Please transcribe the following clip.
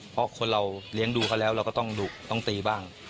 เพราะคนเราเลี้ยงดูเขาแล้วเราก็ต้องดุต้องตีบ้าง